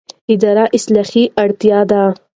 اداري اصلاح اړتیا ده